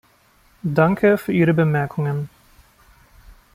Danke für Ihre Bemerkungen.